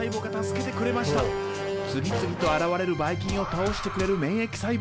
次々と現れるバイ菌を倒してくれる免疫細胞。